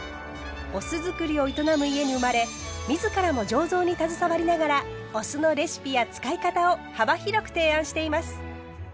お酢造りを営む家に生まれ自らも醸造に携わりながらお酢のレシピや使い方を幅広く提案しています。